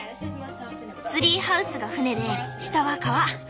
ツリーハウスが船で下は川。